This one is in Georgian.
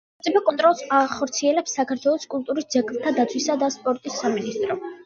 სახელმწიფო კონტროლს ახორციელებს საქართველოს კულტურის, ძეგლთა დაცვისა და სპორტის სამინისტრო.